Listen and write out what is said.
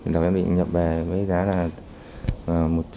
đầu em định nhập về với giá là một triệu ba một hộp